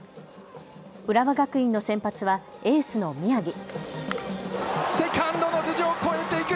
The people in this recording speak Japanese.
浦和学院の先発はエースの宮城。